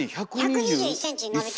１２１ｃｍ伸びた。